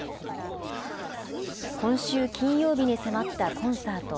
今週金曜日に迫ったコンサート。